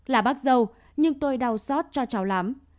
là bác dâu nhưng tôi đau xót cho cháu lắm